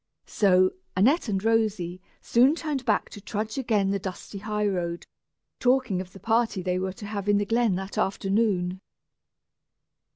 So, Annette and Rosy soon turned back to trudge again the dusty high road, talking of the party they were to have in the glen that afternoon.